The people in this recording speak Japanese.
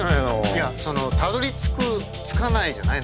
いやそのたどりつかないじゃない？